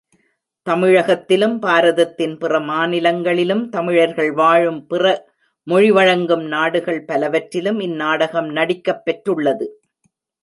தமிழகத்திலும், பாரதத்தின் பிற மாநிலங்களிலும், தமிழர்கள் வாழும் பிற மொழி வழங்கும் நாடுகள் பலவற்றிலும் இந்நாடகம் நடிக்கப் பெற்றுள்ளது.